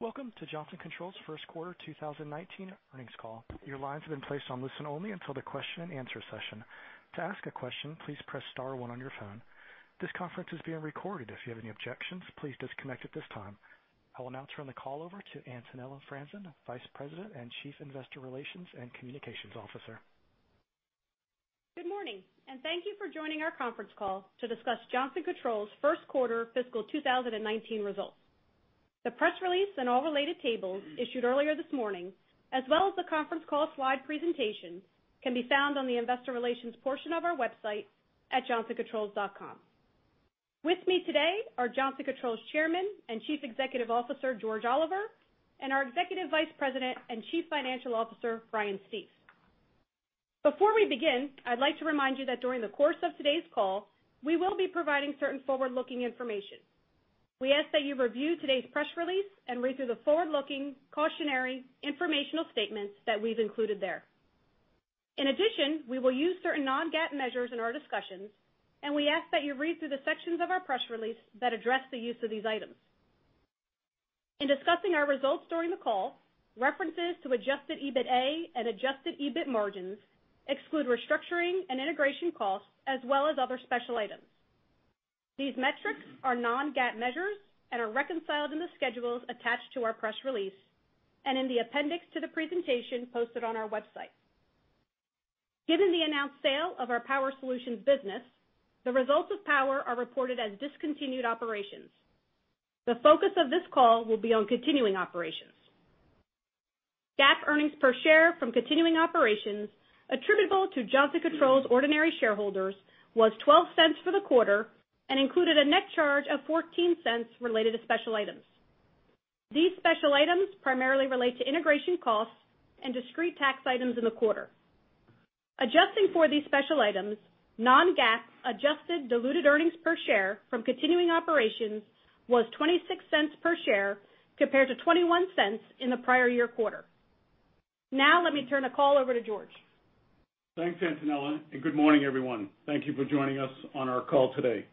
Welcome to Johnson Controls' first quarter 2019 earnings call. Your lines have been placed on listen only until the question and answer session. To ask a question, please press star one on your phone. This conference is being recorded. If you have any objections, please disconnect at this time. I will now turn the call over to Antonella Franzen, Vice President and Chief Investor Relations and Communications Officer. Good morning, and thank you for joining our conference call to discuss Johnson Controls' first quarter fiscal 2019 results. The press release and all related tables issued earlier this morning, as well as the conference call slide presentation, can be found on the investor relations portion of our website at johnsoncontrols.com. With me today are Johnson Controls Chairman and Chief Executive Officer, George Oliver, and our Executive Vice President and Chief Financial Officer, Brian Stief. Before we begin, I'd like to remind you that during the course of today's call, we will be providing certain forward-looking information. We ask that you review today's press release and read through the forward-looking cautionary informational statements that we've included there. In addition, we will use certain non-GAAP measures in our discussions, and we ask that you read through the sections of our press release that address the use of these items. In discussing our results during the call, references to adjusted EBITA and adjusted EBIT margins exclude restructuring and integration costs, as well as other special items. These metrics are non-GAAP measures and are reconciled in the schedules attached to our press release, and in the appendix to the presentation posted on our website. Given the announced sale of our Power Solutions business, the results of Power are reported as discontinued operations. The focus of this call will be on continuing operations. GAAP earnings per share from continuing operations attributable to Johnson Controls' ordinary shareholders was $0.12 for the quarter and included a net charge of $0.14 related to special items. These special items primarily relate to integration costs and discrete tax items in the quarter. Adjusting for these special items, non-GAAP adjusted diluted earnings per share from continuing operations was $0.26 per share compared to $0.21 in the prior year quarter. Now, let me turn the call over to George. Thanks, Antonella, and good morning, everyone. Thank you for joining us on our call today.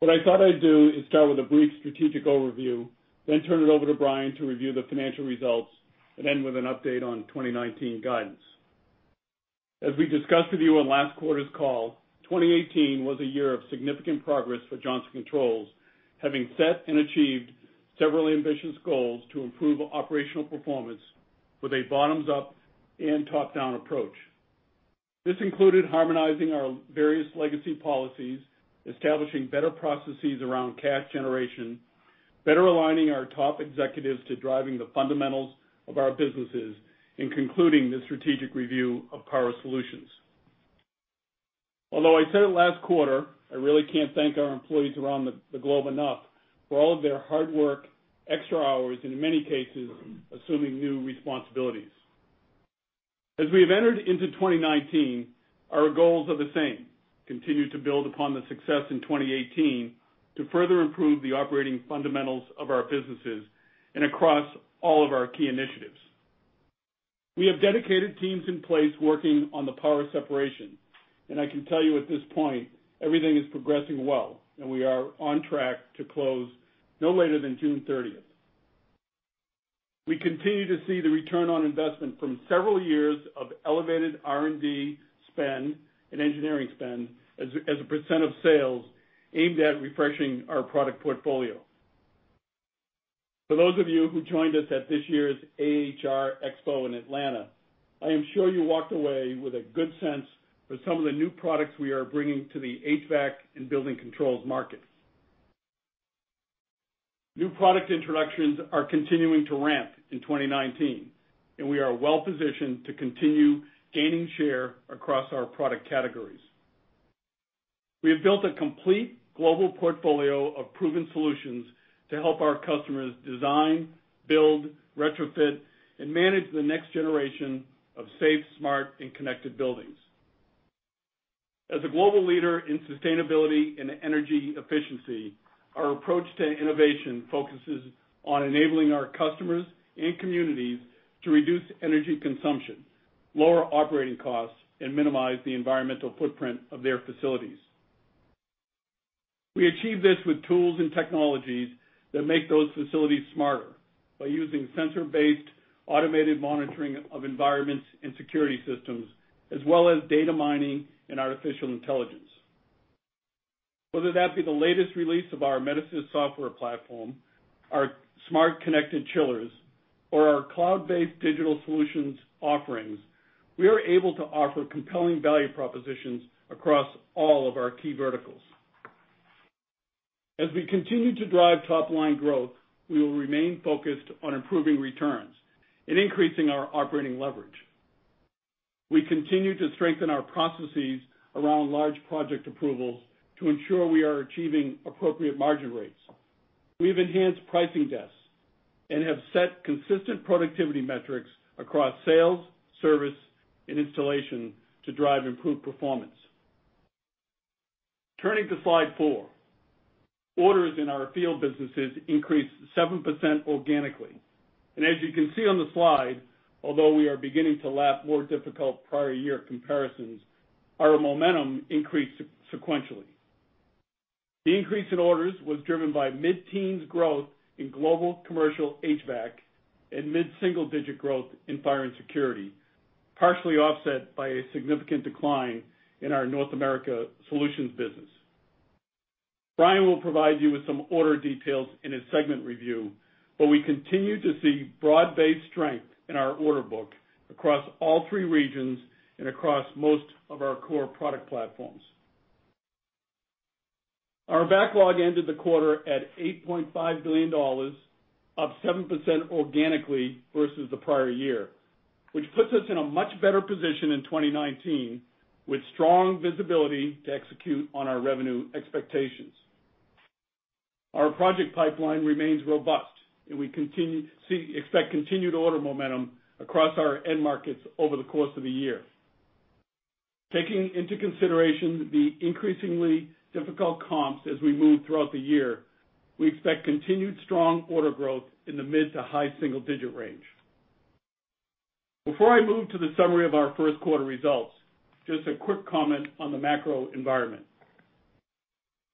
What I thought I'd do is start with a brief strategic overview, then turn it over to Brian to review the financial results, and end with an update on 2019 guidance. As we discussed with you on last quarter's call, 2018 was a year of significant progress for Johnson Controls, having set and achieved several ambitious goals to improve operational performance with a bottoms-up and top-down approach. This included harmonizing our various legacy policies, establishing better processes around cash generation, better aligning our top executives to driving the fundamentals of our businesses, and concluding the strategic review of Power Solutions. Although I said it last quarter, I really can't thank our employees around the globe enough for all of their hard work, extra hours, and in many cases, assuming new responsibilities. As we have entered into 2019, our goals are the same, continue to build upon the success in 2018 to further improve the operating fundamentals of our businesses and across all of our key initiatives. We have dedicated teams in place working on the Power separation, and I can tell you at this point, everything is progressing well, and we are on track to close no later than June 30th. We continue to see the return on investment from several years of elevated R&D spend and engineering spend as a % of sales aimed at refreshing our product portfolio. For those of you who joined us at this year's AHR Expo in Atlanta, I am sure you walked away with a good sense for some of the new products we are bringing to the HVAC and building controls markets. New product introductions are continuing to ramp in 2019, and we are well positioned to continue gaining share across our product categories. We have built a complete global portfolio of proven solutions to help our customers design, build, retrofit, and manage the next generation of safe, smart, and connected buildings. As a global leader in sustainability and energy efficiency, our approach to innovation focuses on enabling our customers and communities to reduce energy consumption, lower operating costs, and minimize the environmental footprint of their facilities. We achieve this with tools and technologies that make those facilities smarter by using sensor-based automated monitoring of environments and security systems, as well as data mining and artificial intelligence. Whether that be the latest release of our Metasys software platform, our smart connected chillers, or our cloud-based digital solutions offerings, we are able to offer compelling value propositions across all of our key verticals. As we continue to drive top-line growth, we will remain focused on improving returns and increasing our operating leverage. We continue to strengthen our processes around large project approvals to ensure we are achieving appropriate margin rates. We've enhanced pricing desks and have set consistent productivity metrics across sales, service, and installation to drive improved performance. Turning to slide four. Orders in our field businesses increased 7% organically. As you can see on the slide, although we are beginning to lap more difficult prior year comparisons, our momentum increased sequentially. The increase in orders was driven by mid-teens growth in global commercial HVAC and mid-single-digit growth in fire and security, partially offset by a significant decline in our North America solutions business. Brian will provide you with some order details in his segment review, but we continue to see broad-based strength in our order book across all three regions and across most of our core product platforms. Our backlog ended the quarter at $8.5 billion, up 7% organically versus the prior year, which puts us in a much better position in 2019, with strong visibility to execute on our revenue expectations. Our project pipeline remains robust, and we expect continued order momentum across our end markets over the course of the year. Taking into consideration the increasingly difficult comps as we move throughout the year, we expect continued strong order growth in the mid to high single-digit range. Before I move to the summary of our first quarter results, just a quick comment on the macro environment.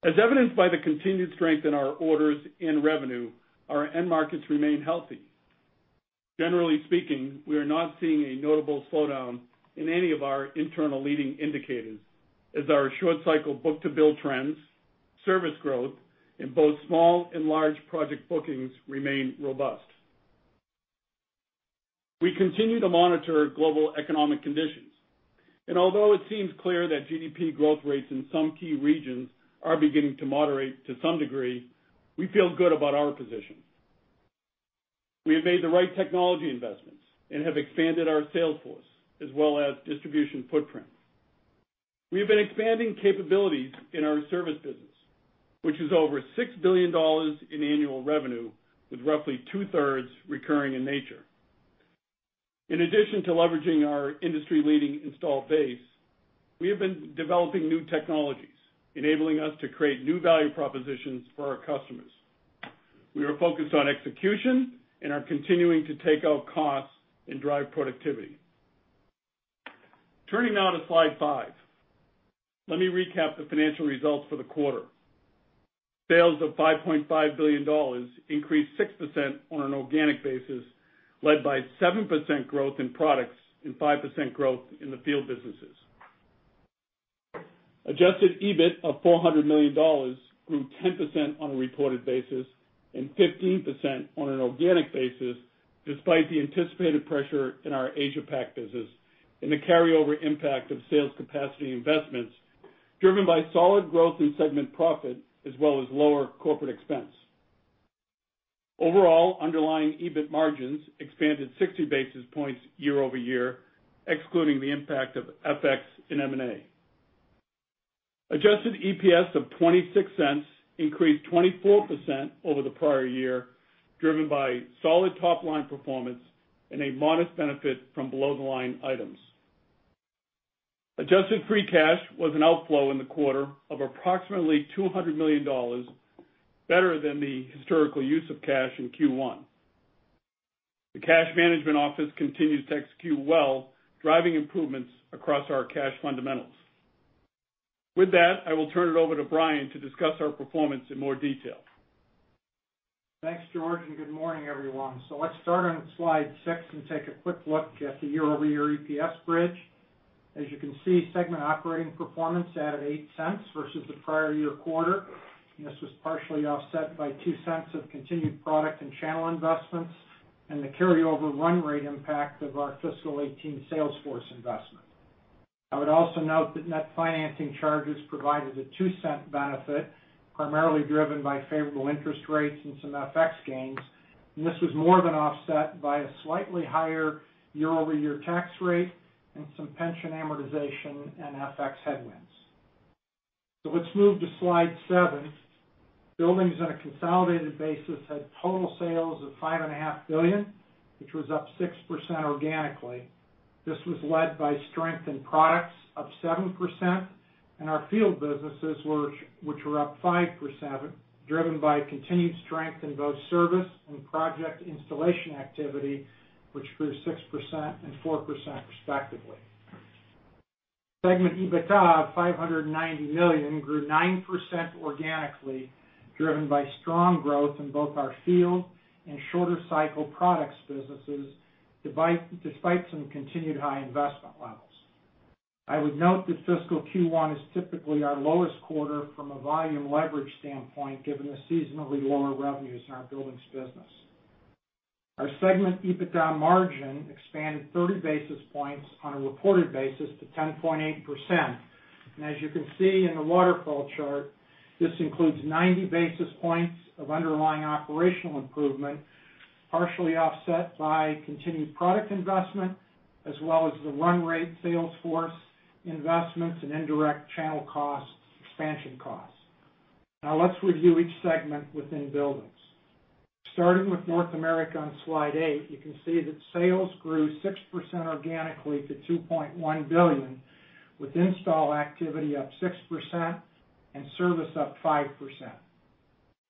As evidenced by the continued strength in our orders and revenue, our end markets remain healthy. Generally speaking, we are not seeing a notable slowdown in any of our internal leading indicators, as our short cycle book-to-bill trends, service growth in both small and large project bookings remain robust. We continue to monitor global economic conditions, although it seems clear that GDP growth rates in some key regions are beginning to moderate to some degree, we feel good about our position. We have made the right technology investments and have expanded our sales force, as well as distribution footprint. We have been expanding capabilities in our service business, which is over $6 billion in annual revenue, with roughly two-thirds recurring in nature. In addition to leveraging our industry-leading installed base, we have been developing new technologies, enabling us to create new value propositions for our customers. We are focused on execution and are continuing to take out costs and drive productivity. Turning now to slide five, let me recap the financial results for the quarter. Sales of $5.5 billion increased 6% on an organic basis, led by 7% growth in products and 5% growth in the field businesses. Adjusted EBIT of $400 million grew 10% on a reported basis and 15% on an organic basis, despite the anticipated pressure in our Asia Pac business and the carryover impact of sales capacity investments, driven by solid growth in segment profit as well as lower corporate expense. Overall, underlying EBIT margins expanded 60 basis points year-over-year, excluding the impact of FX and M&A. Adjusted EPS of $0.26 increased 24% over the prior year, driven by solid top-line performance and a modest benefit from below the line items. Adjusted free cash was an outflow in the quarter of approximately $200 million, better than the historical use of cash in Q1. The cash management office continues to execute well, driving improvements across our cash fundamentals. With that, I will turn it over to Brian to discuss our performance in more detail. Thanks, George, good morning, everyone. Let's start on slide six and take a quick look at the year-over-year EPS bridge. As you can see, segment operating performance added $0.08 versus the prior year quarter. This was partially offset by $0.02 of continued product and channel investments and the carryover run rate impact of our fiscal 2018 sales force investment. I would also note that net financing charges provided a $0.02 benefit, primarily driven by favorable interest rates and some FX gains. This was more than offset by a slightly higher year-over-year tax rate and some pension amortization and FX headwinds. Let's move to slide seven. Buildings on a consolidated basis had total sales of $5.5 billion, which was up 6% organically. This was led by strength in products up 7%, and our field businesses, which were up 5%, driven by continued strength in both service and project installation activity, which grew 6% and 4% respectively. Segment EBITA of $590 million grew 9% organically, driven by strong growth in both our field and shorter cycle products businesses, despite some continued high investment levels. I would note that fiscal Q1 is typically our lowest quarter from a volume leverage standpoint, given the seasonally lower revenues in our buildings business. Our segment EBITDA margin expanded 30 basis points on a reported basis to 10.8%. As you can see in the waterfall chart, this includes 90 basis points of underlying operational improvement, partially offset by continued product investment, as well as the run rate sales force investments and indirect channel expansion costs. Let's review each segment within buildings. Starting with North America on slide eight, you can see that sales grew 6% organically to $2.1 billion, with install activity up 6% and service up 5%.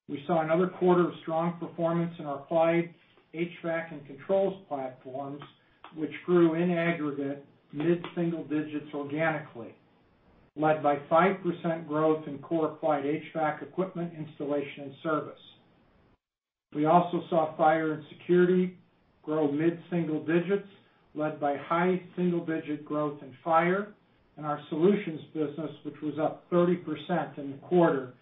We saw another quarter of strong performance in our Applied HVAC and controls platforms, which grew in aggregate mid-single digits organically, led by 5% growth in core Applied HVAC equipment installation and service. We also saw fire and security grow mid-single digits, led by high single-digit growth in fire and our solutions business, which was up 30% in the quarter.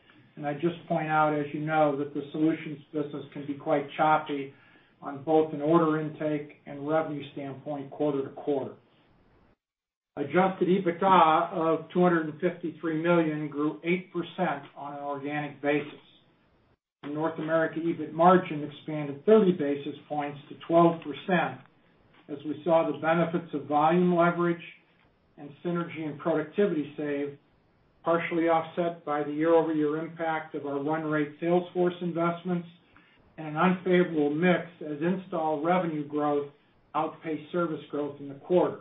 I just point out, as you know, that the solutions business can be quite choppy on both an order intake and revenue standpoint quarter to quarter. Adjusted EBITDA of $253 million grew 8% on an organic basis. The North America EBIT margin expanded 30 basis points to 12% as we saw the benefits of volume leverage and synergy and productivity save, partially offset by the year-over-year impact of our run rate sales force investments and an unfavorable mix as install revenue growth outpaced service growth in the quarter.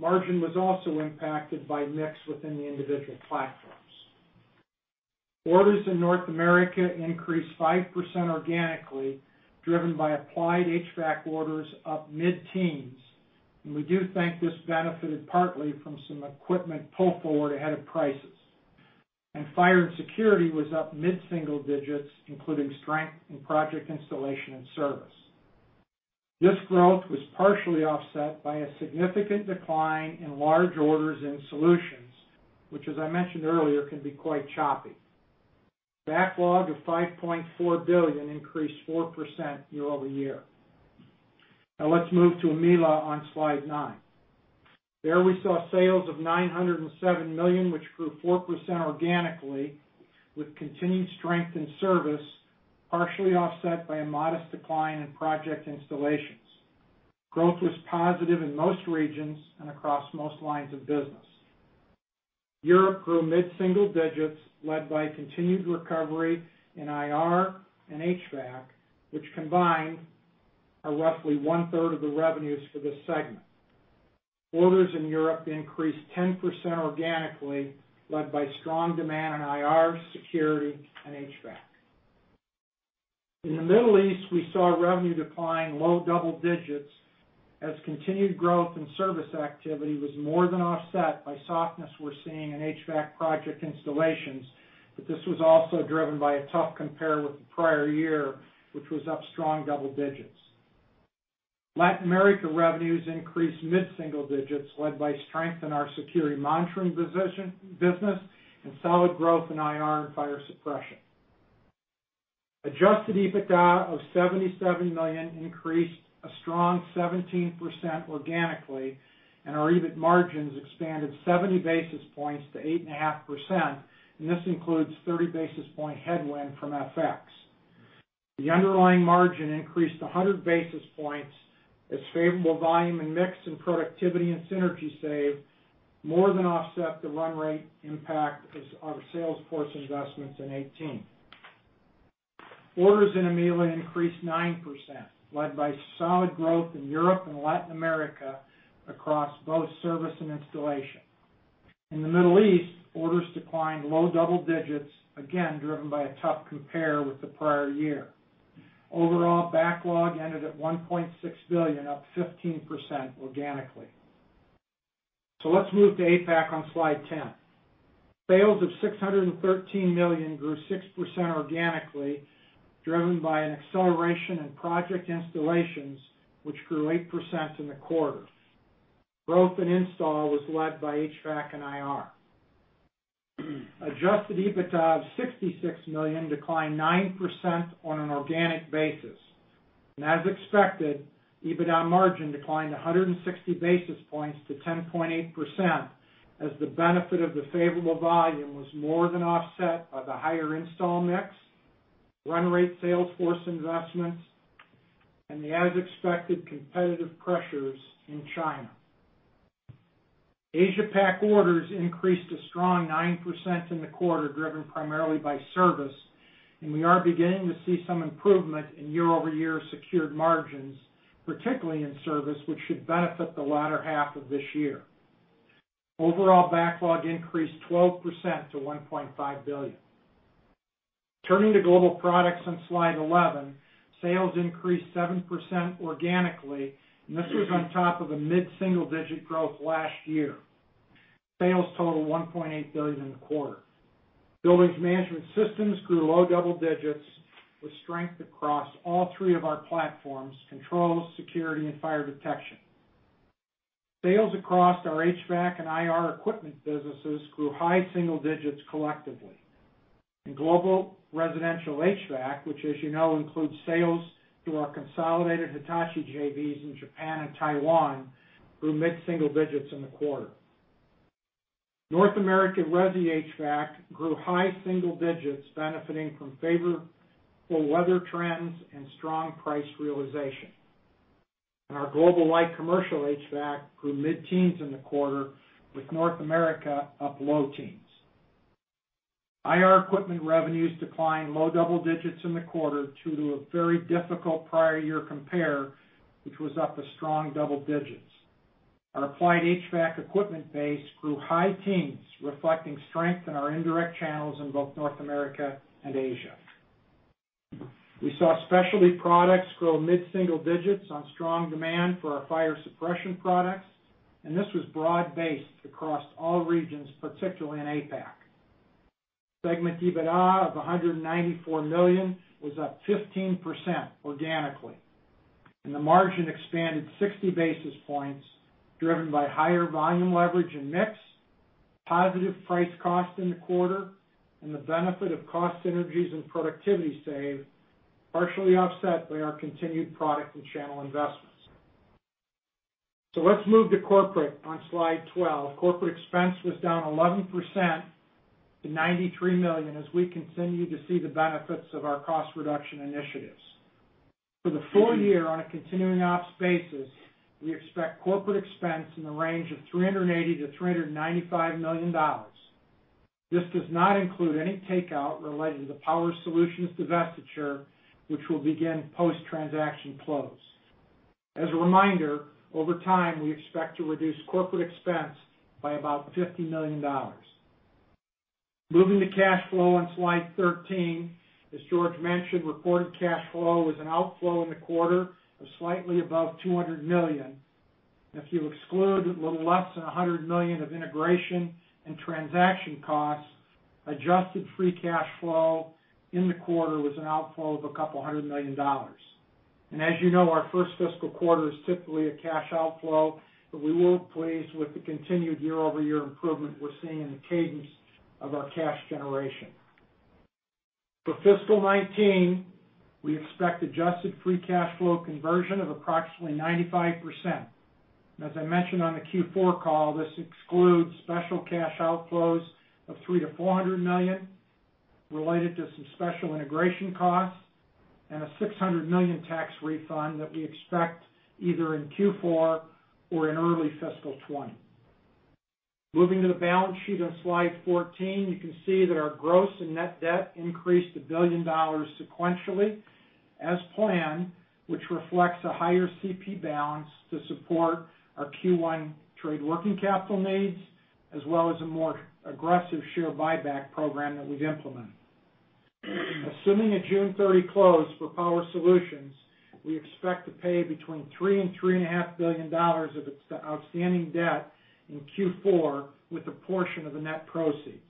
Margin was also impacted by mix within the individual platforms. Orders in North America increased 5% organically, driven by Applied HVAC orders up mid-teens. We do think this benefited partly from some equipment pull forward ahead of prices. Fire and security was up mid-single digits, including strength in project installation and service. This growth was partially offset by a significant decline in large orders in solutions, which, as I mentioned earlier, can be quite choppy. Backlog of $5.4 billion increased 4% year-over-year. Let's move to EMEA on slide nine. There we saw sales of $907 million, which grew 4% organically, with continued strength in service, partially offset by a modest decline in project installations. Growth was positive in most regions and across most lines of business. Europe grew mid-single digits, led by continued recovery in IR and HVAC, which combined are roughly one-third of the revenues for this segment. Orders in Europe increased 10% organically, led by strong demand in IR, security, and HVAC. In the Middle East, we saw revenue decline low double digits as continued growth in service activity was more than offset by softness we're seeing in HVAC project installations, but this was also driven by a tough compare with the prior year, which was up strong double digits. Latin America revenues increased mid-single digits, led by strength in our security monitoring business and solid growth in IR and fire suppression. Adjusted EBITDA of $77 million increased a strong 17% organically, and our EBIT margins expanded 70 basis points to 8.5%, and this includes 30 basis point headwind from FX. The underlying margin increased 100 basis points as favorable volume and mix in productivity and synergy save more than offset the run rate impact as our sales force investments in 2018. Orders in EMEA increased 9%, led by solid growth in Europe and Latin America across both service and installation. In the Middle East, orders declined low double digits, again, driven by a tough compare with the prior year. Overall backlog ended at $1.6 billion, up 15% organically. Let's move to APAC on slide 10. Sales of $613 million grew 6% organically, driven by an acceleration in project installations, which grew 8% in the quarter. Growth in install was led by HVAC and IR. Adjusted EBITDA of $66 million declined 9% on an organic basis. As expected, EBITDA margin declined 160 basis points to 10.8% as the benefit of the favorable volume was more than offset by the higher install mix, run rate sales force investments, and the as expected competitive pressures in China. APAC orders increased a strong 9% in the quarter, driven primarily by service, and we are beginning to see some improvement in year-over-year secured margins, particularly in service, which should benefit the latter half of this year. Overall backlog increased 12% to $1.5 billion. Turning to global products on Slide 11, sales increased 7% organically, and this was on top of a mid-single-digit growth last year. Sales totaled $1.8 billion in the quarter. building management systems grew low double digits with strength across all three of our platforms, controls, security, and fire detection. Sales across our HVAC and IR equipment businesses grew high single digits collectively. In global residential HVAC, which as you know, includes sales through our consolidated Hitachi JVs in Japan and Taiwan, grew mid-single digits in the quarter. North American resi HVAC grew high single digits, benefiting from favorable weather trends and strong price realization. Our global light commercial HVAC grew mid-teens in the quarter, with North America up low teens. IR equipment revenues declined low double digits in the quarter due to a very difficult prior year compare, which was up a strong double digits. Our Applied HVAC equipment base grew high teens, reflecting strength in our indirect channels in both North America and Asia. We saw specialty products grow mid-single digits on strong demand for our fire suppression products, and this was broad-based across all regions, particularly in APAC. Segment EBITDA of $194 million was up 15% organically. The margin expanded 60 basis points, driven by higher volume leverage and mix, positive price cost in the quarter, and the benefit of cost synergies and productivity saved, partially offset by our continued product and channel investments. Let's move to corporate on slide 12. Corporate expense was down 11% to $93 million as we continue to see the benefits of our cost reduction initiatives. For the full year on a continuing ops basis, we expect corporate expense in the range of $380 million-$395 million. This does not include any takeout related to the Power Solutions divestiture, which will begin post-transaction close. As a reminder, over time, we expect to reduce corporate expense by about $50 million. Moving to cash flow on slide 13. As George mentioned, reported cash flow was an outflow in the quarter of slightly above $200 million. If you exclude the little less than $100 million of integration and transaction costs, adjusted free cash flow in the quarter was an outflow of a couple hundred million dollars. As you know, our first fiscal quarter is typically a cash outflow, but we were pleased with the continued year-over-year improvement we're seeing in the cadence of our cash generation. For fiscal 2019, we expect adjusted free cash flow conversion of approximately 95%. As I mentioned on the Q4 call, this excludes special cash outflows of $300 million-$400 million related to some special integration costs and a $600 million tax refund that we expect either in Q4 or in early fiscal 2020. Moving to the balance sheet on slide 14, you can see that our gross and net debt increased $1 billion sequentially as planned, which reflects a higher CP balance to support our Q1 trade working capital needs, as well as a more aggressive share buyback program that we've implemented. Assuming a June 30 close for Power Solutions, we expect to pay between $3 billion-$3.5 billion of its outstanding debt in Q4 with a portion of the net proceeds.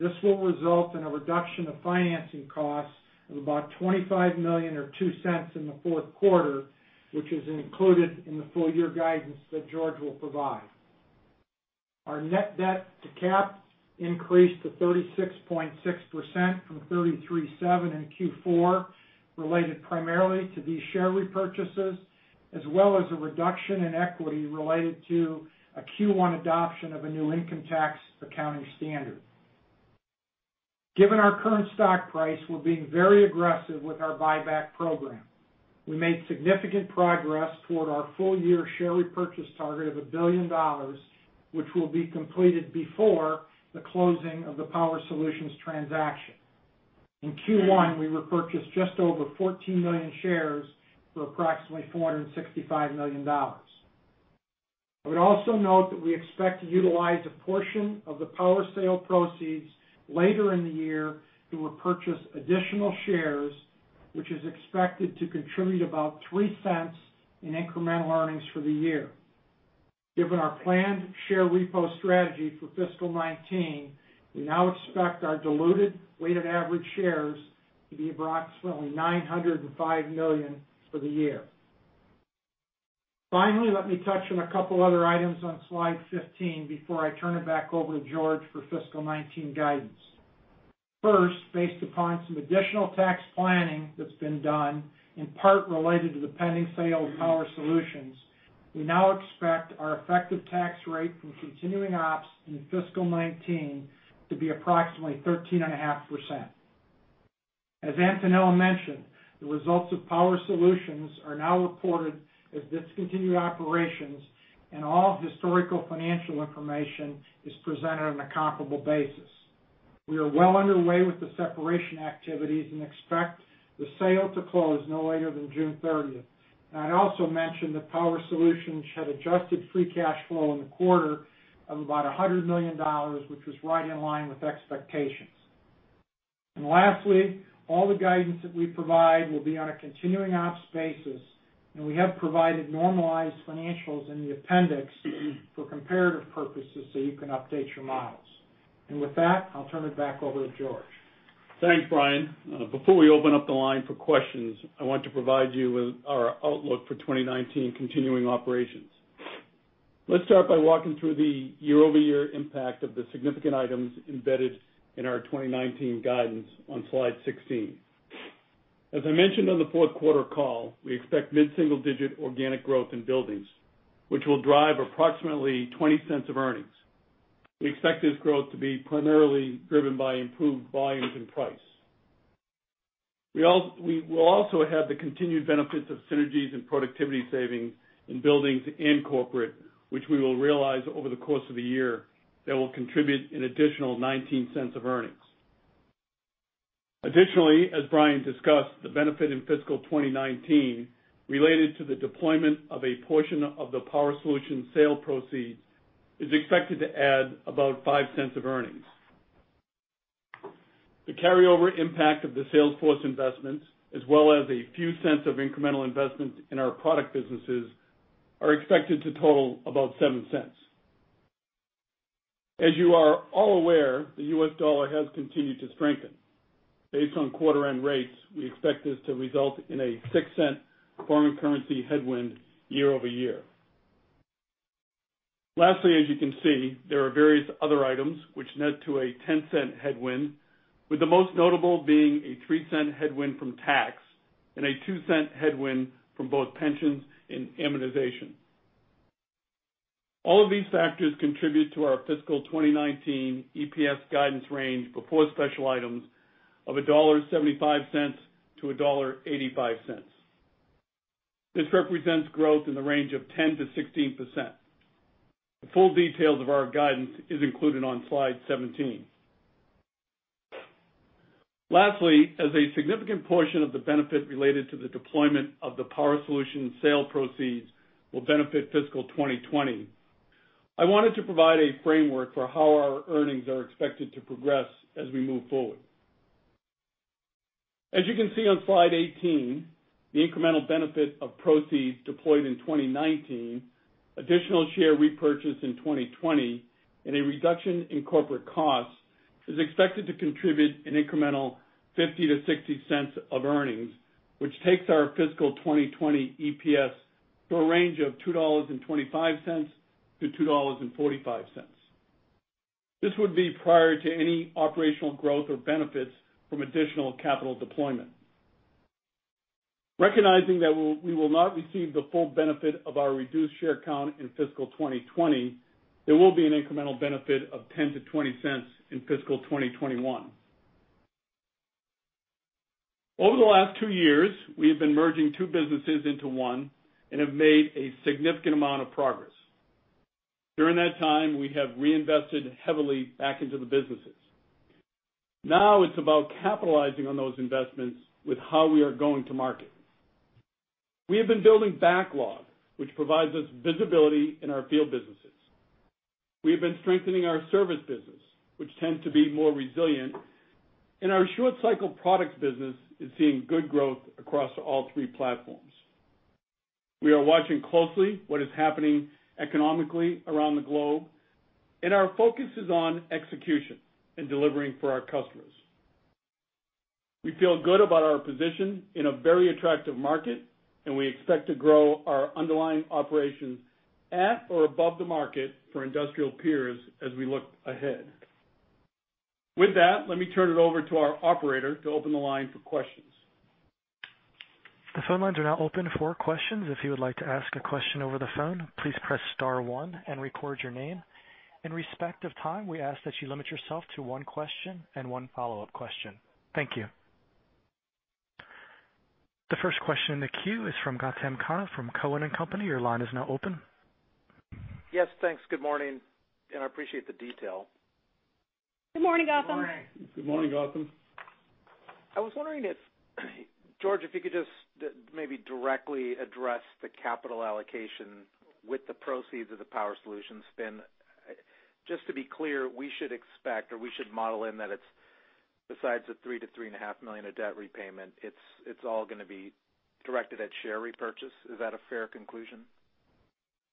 This will result in a reduction of financing costs of about $25 million or $0.02 in the fourth quarter, which is included in the full year guidance that George will provide. Our net debt to cap increased to 36.6% from 33.7% in Q4, related primarily to these share repurchases, as well as a reduction in equity related to a Q1 adoption of a new income tax accounting standard. Given our current stock price, we're being very aggressive with our buyback program. We made significant progress toward our full-year share repurchase target of $1 billion, which will be completed before the closing of the Power Solutions transaction. In Q1, we repurchased just over 14 million shares for approximately $465 million. I would also note that we expect to utilize a portion of the power sale proceeds later in the year to repurchase additional shares, which is expected to contribute about $0.03 in incremental earnings for the year. Given our planned share repo strategy for fiscal 2019, we now expect our diluted weighted average shares to be approximately 905 million for the year. Finally, let me touch on a couple other items on slide 15 before I turn it back over to George for fiscal 2019 guidance. First, based upon some additional tax planning that's been done, in part related to the pending sale of Power Solutions, we now expect our effective tax rate from continuing ops in fiscal 2019 to be approximately 13.5%. As Antonella mentioned, the results of Power Solutions are now reported as discontinued operations, and all historical financial information is presented on a comparable basis. We are well underway with the separation activities and expect the sale to close no later than June 30th. I'd also mention that Power Solutions had adjusted free cash flow in the quarter of about $100 million, which was right in line with expectations. Lastly, all the guidance that we provide will be on a continuing ops basis, and we have provided normalized financials in the appendix for comparative purposes so you can update your models. With that, I'll turn it back over to George. Thanks, Brian. Before we open up the line for questions, I want to provide you with our outlook for 2019 continuing operations. Let's start by walking through the year-over-year impact of the significant items embedded in our 2019 guidance on slide 16. As I mentioned on the fourth quarter call, we expect mid-single-digit organic growth in buildings, which will drive approximately $0.20 of earnings. We expect this growth to be primarily driven by improved volumes and price. We will also have the continued benefits of synergies and productivity savings in buildings and corporate, which we will realize over the course of the year that will contribute an additional $0.19 of earnings. Additionally, as Brian discussed, the benefit in fiscal 2019 related to the deployment of a portion of the Power Solutions sale proceeds is expected to add about $0.05 of earnings. The carryover impact of the sales force investments, as well as a few cents of incremental investments in our product businesses, are expected to total about $0.07. As you are all aware, the U.S. dollar has continued to strengthen. Based on quarter-end rates, we expect this to result in a $0.06 foreign currency headwind year-over-year. Lastly, as you can see, there are various other items which net to a $0.10 headwind, with the most notable being a $0.03 headwind from tax and a $0.02 headwind from both pensions and amortization. All of these factors contribute to our fiscal 2019 EPS guidance range before special items of $1.75-$1.85. This represents growth in the range of 10%-16%. The full details of our guidance is included on slide 17. Lastly, as a significant portion of the benefit related to the deployment of the Power Solutions sale proceeds will benefit fiscal 2020, I wanted to provide a framework for how our earnings are expected to progress as we move forward. As you can see on slide 18, the incremental benefit of proceeds deployed in 2019, additional share repurchase in 2020, and a reduction in corporate costs is expected to contribute an incremental $0.50-$0.60 of earnings, which takes our fiscal 2020 EPS to a range of $2.25-$2.45. This would be prior to any operational growth or benefits from additional capital deployment. Recognizing that we will not receive the full benefit of our reduced share count in fiscal 2020, there will be an incremental benefit of $0.10-$0.20 in fiscal 2021. Over the last two years, we have been merging two businesses into one and have made a significant amount of progress. During that time, we have reinvested heavily back into the businesses. Now it's about capitalizing on those investments with how we are going to market. We have been building backlog, which provides us visibility in our field businesses. We have been strengthening our service business, which tend to be more resilient. Our short cycle products business is seeing good growth across all three platforms. We are watching closely what is happening economically around the globe, our focus is on execution and delivering for our customers. We feel good about our position in a very attractive market, and we expect to grow our underlying operations at or above the market for industrial peers as we look ahead. With that, let me turn it over to our operator to open the line for questions. The phone lines are now open for questions. If you would like to ask a question over the phone, please press *1 and record your name. In respect of time, we ask that you limit yourself to one question and one follow-up question. Thank you. The first question in the queue is from Gautam Khanna from Cowen and Company. Your line is now open. Yes, thanks. Good morning. I appreciate the detail. Good morning, Gautam. Good morning. Good morning, Gautam. I was wondering if, George, if you could just maybe directly address the capital allocation with the proceeds of the Power Solutions spin. Just to be clear, we should expect, or we should model in that it's besides the $3 million-$3.5 million of debt repayment, it's all going to be directed at share repurchase. Is that a fair conclusion?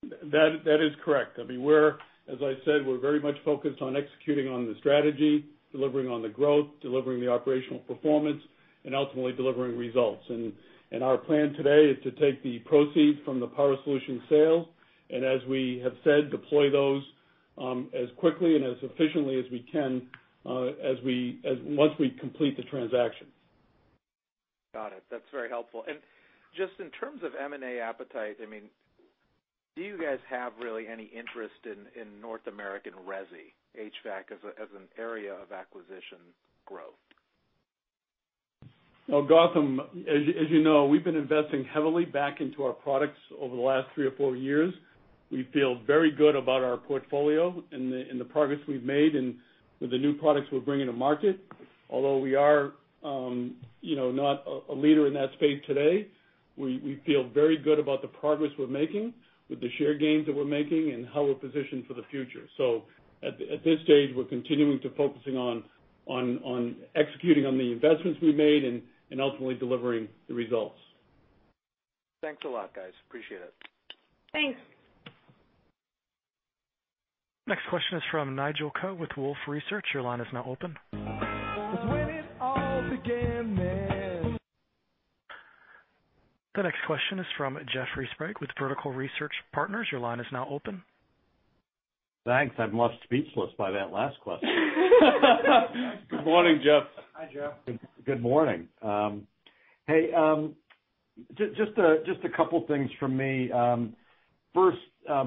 That is correct. As I said, we're very much focused on executing on the strategy, delivering on the growth, delivering the operational performance, and ultimately delivering results. Our plan today is to take the proceeds from the Power Solutions sale, and as we have said, deploy those as quickly and as efficiently as we can once we complete the transaction. Got it. That's very helpful. Just in terms of M&A appetite, do you guys have really any interest in North American resi HVAC as an area of acquisition growth? Well, Gautam, as you know, we've been investing heavily back into our products over the last three or four years. We feel very good about our portfolio and the progress we've made with the new products we're bringing to market. Although we are not a leader in that space today, we feel very good about the progress we're making with the share gains that we're making and how we're positioned for the future. At this stage, we're continuing to focusing on executing on the investments we made and ultimately delivering the results. Thanks a lot, guys. Appreciate it. Thanks. Next question is from Nigel Coe with Wolfe Research. Your line is now open. The next question is from Jeffrey Sprague with Vertical Research Partners. Your line is now open. Thanks. I'm left speechless by that last question. Good morning, Jeff. Hi, Jeff. Good morning. Just a couple things from me. First,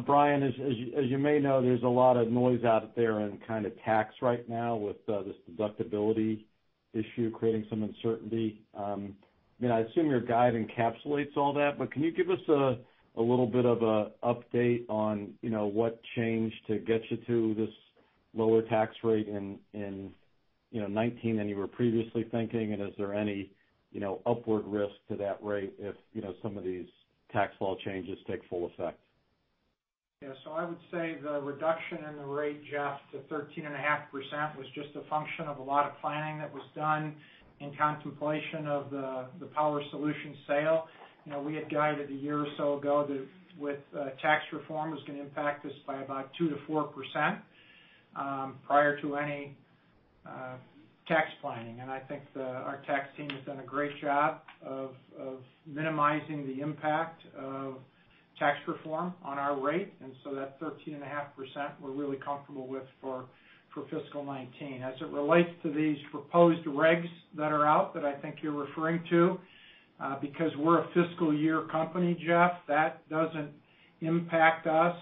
Brian, as you may know, there's a lot of noise out there in tax right now with this deductibility issue creating some uncertainty. I assume your guide encapsulates all that, but can you give us a little bit of an update on what changed to get you to this lower tax rate in 2019 than you were previously thinking? Is there any upward risk to that rate if some of these tax law changes take full effect? I would say the reduction in the rate, Jeff, to 13.5% was just a function of a lot of planning that was done in contemplation of the Power Solutions sale. We had guided a year or so ago that with tax reform was going to impact us by about 2%-4% prior to any tax planning. I think our tax team has done a great job of minimizing the impact of tax reform on our rate. So that 13.5% we're really comfortable with for fiscal 2019. As it relates to these proposed regs that are out that I think you're referring to, because we're a fiscal year company, Jeff, that doesn't impact us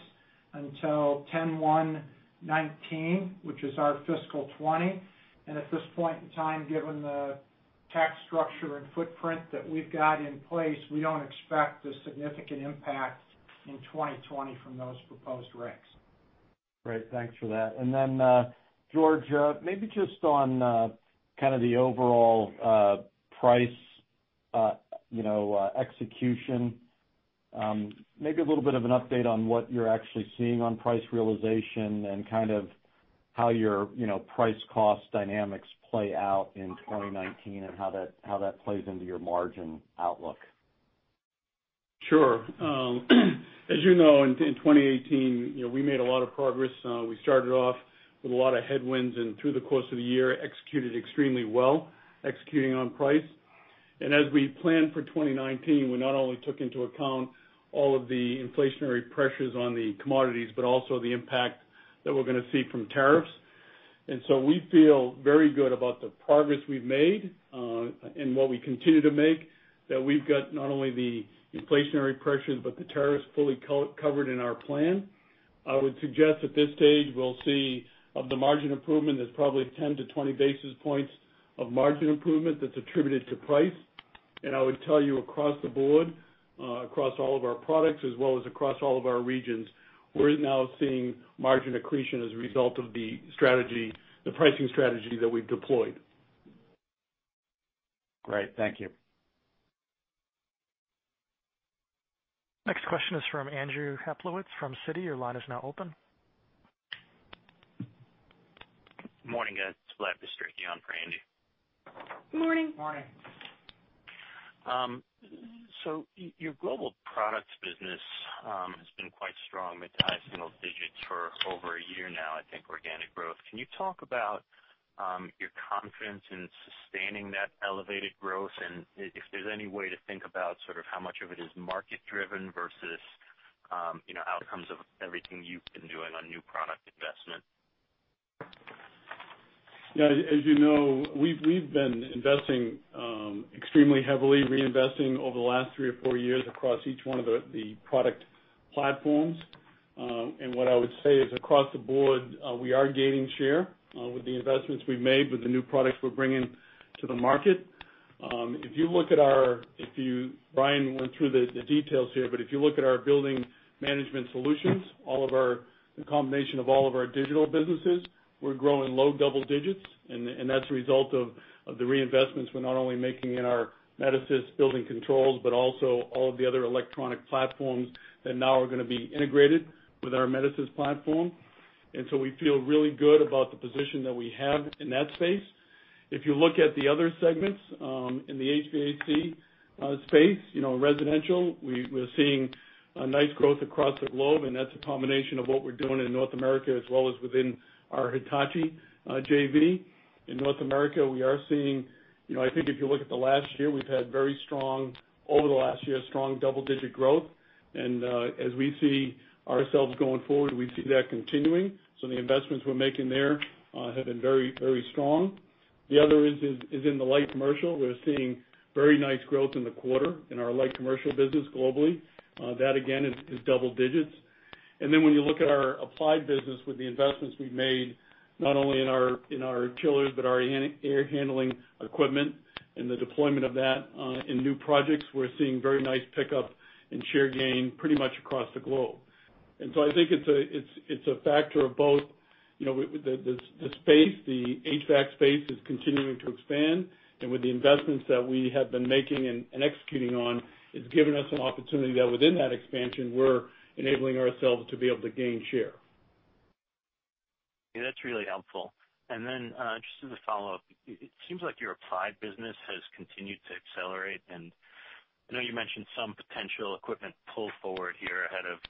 until 10/1/2019, which is our fiscal 2020. At this point in time, given the tax structure and footprint that we've got in place, we don't expect a significant impact in 2020 from those proposed regs. Great. Thanks for that. Then, George, maybe just on kind of the overall price execution. Maybe a little bit of an update on what you're actually seeing on price realization and kind of how your price cost dynamics play out in 2019 and how that plays into your margin outlook. Sure. As you know, in 2018, we made a lot of progress. We started off with a lot of headwinds and through the course of the year executed extremely well, executing on price. As we planned for 2019, we not only took into account all of the inflationary pressures on the commodities, but also the impact that we're going to see from tariffs. We feel very good about the progress we've made, and what we continue to make, that we've got not only the inflationary pressures, but the tariffs fully covered in our plan. I would suggest at this stage we'll see of the margin improvement, there's probably 10-20 basis points of margin improvement that's attributed to price. I would tell you across the board, across all of our products as well as across all of our regions, we're now seeing margin accretion as a result of the pricing strategy that we've deployed. Great. Thank you. Next question is from Andrew Kaplowitz from Citi. Your line is now open. Morning, guys. It's Blab Distric on for Andy. Morning. Morning. Your global products business has been quite strong, mid to high single digits for over a year now, I think, organic growth. Can you talk about your confidence in sustaining that elevated growth? If there's any way to think about sort of how much of it is market driven versus outcomes of everything you've been doing on new product investment. As you know, we've been investing extremely heavily, reinvesting over the last three or four years across each one of the product platforms. What I would say is across the board, we are gaining share with the investments we've made, with the new products we're bringing to the market. Brian went through the details here, but if you look at our building management systems, the combination of all of our digital businesses, we're growing low double digits. That's a result of the reinvestments we're not only making in our Metasys building controls, but also all of the other electronic platforms that now are going to be integrated with our Metasys platform. We feel really good about the position that we have in that space. If you look at the other segments, in the HVAC space, residential, we're seeing a nice growth across the globe, and that's a combination of what we're doing in North America as well as within our Hitachi JV. In North America, I think if you look at the last year, we've had, over the last year, strong double-digit growth. As we see ourselves going forward, we see that continuing. The investments we're making there have been very strong. The other is in the light commercial. We're seeing very nice growth in the quarter in our light commercial business globally. That again, is double digits. When you look at our applied business, with the investments we've made, not only in our chillers, but our air handling equipment and the deployment of that in new projects, we're seeing very nice pickup and share gain pretty much across the globe. I think it's a factor of both the HVAC space is continuing to expand, and with the investments that we have been making and executing on, it's given us an opportunity that within that expansion, we're enabling ourselves to be able to gain share. Yeah, that's really helpful. Just as a follow-up, it seems like your applied business has continued to accelerate, I know you mentioned some potential equipment pull forward here ahead of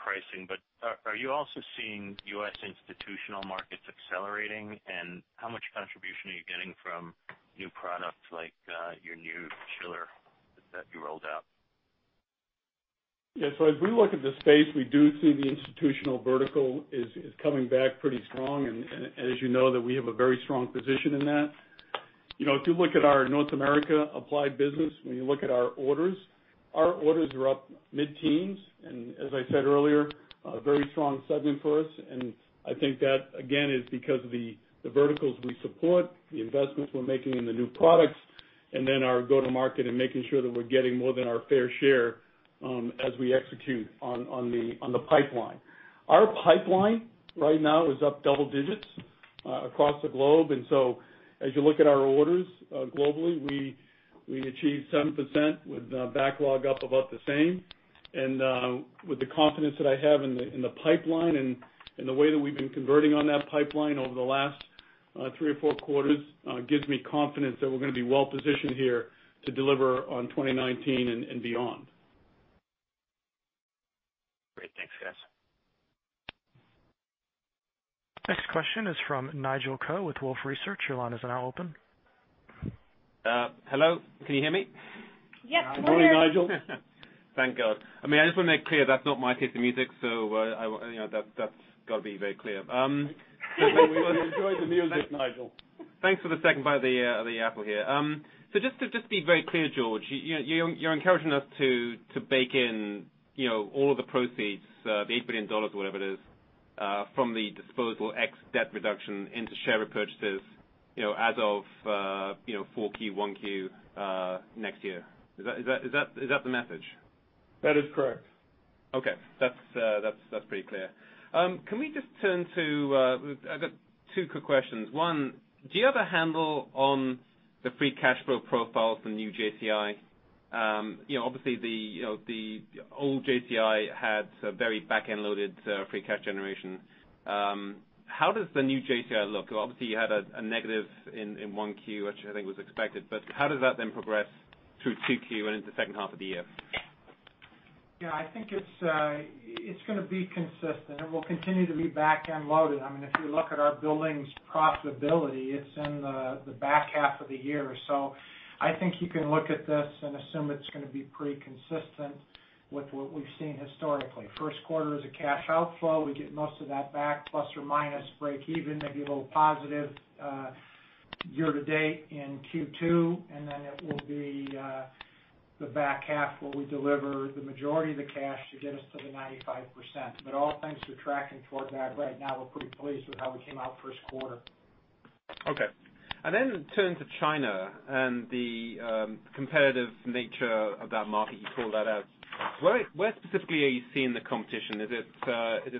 pricing, but are you also seeing U.S. institutional markets accelerating? How much contribution are you getting from new products like your new chiller that you rolled out? Yeah. As we look at the space, we do see the institutional vertical is coming back pretty strong, as you know, that we have a very strong position in that. If you look at our North America applied business, when you look at our orders, our orders are up mid-teens. As I said earlier, a very strong segment for us. I think that, again, is because of the verticals we support, the investments we're making in the new products. Our go-to-market and making sure that we're getting more than our fair share as we execute on the pipeline. Our pipeline right now is up double digits across the globe. As you look at our orders globally, we achieved 7% with backlog up about the same. With the confidence that I have in the pipeline and the way that we've been converting on that pipeline over the last three or four quarters gives me confidence that we're going to be well-positioned here to deliver on 2019 and beyond. Great. Thanks, guys. Next question is from Nigel Coe with Wolfe Research. Your line is now open. Hello, can you hear me? Yes. Morning, Nigel. Thank God. I just want to make clear that's not my taste in music, so that's got to be very clear. We all enjoy the music, Nigel. Thanks for the second bite of the apple here. Just to be very clear, George, you're encouraging us to bake in all of the proceeds, the $8 billion, or whatever it is, from the disposal ex debt reduction into share repurchases, as of Q4 - Q1 next year. Is that the message? That is correct. Okay. That's pretty clear. Can we just turn. I've got two quick questions. One, do you have a handle on the free cash flow profile for the new JCI? Obviously, the old JCI had a very back-end loaded free cash generation. How does the new JCI look? Obviously, you had a negative in 1Q, which I think was expected, but how does that then progress through 2Q and into the second half of the year? Yeah, I think it's going to be consistent. It will continue to be back-end loaded. If you look at our buildings profitability, it's in the back half of the year. I think you can look at this and assume it's going to be pretty consistent with what we've seen historically. First quarter is a cash outflow. We get most of that back, ± breakeven, maybe a little positive year to date in Q2, and then it will be the back half where we deliver the majority of the cash to get us to the 95%. All signs are tracking toward that. Right now, we're pretty pleased with how we came out first quarter. Okay. Then turning to China and the competitive nature of that market, you called that out. Where specifically are you seeing the competition? Is it